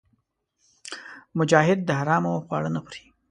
مجاهد د حرامو خواړه نه خوري.